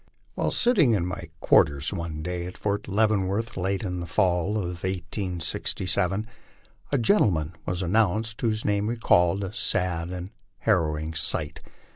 "While sitting in my quarters one day at Fort Leavenworth, late in the fall of 1867, a gentleman was announced whose name recalled a sad and harrowing eight.